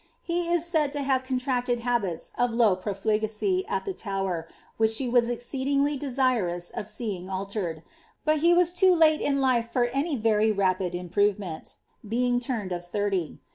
He is said to have contracted habits of low profligacy at the Tower, which she was exceedingly desirous of seeinf altered ; but he was too late in life for any very rapid improvement^ being turned of thirty.